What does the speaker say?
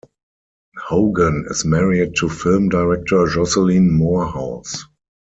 Hogan is married to film director Jocelyn Moorhouse.